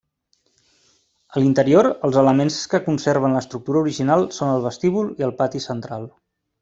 A l'interior, els elements que conserven l'estructura original són el vestíbul i el pati central.